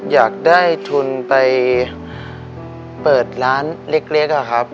อยากได้ทุนไปเปิดร้านเล็กอะครับ